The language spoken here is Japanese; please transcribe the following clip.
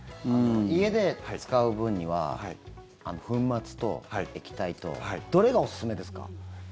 家で使う分には粉末と液体とどれがおすすめですか？